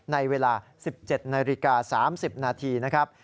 ในเวลา๑๗นาฬิกา๓๐นาทีนะครับ